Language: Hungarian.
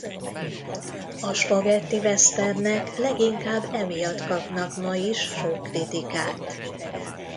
A spagettiwesternek leginkább emiatt kapnak ma is sok kritikát.